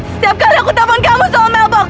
setiap kali aku tawon kamu soal mailbox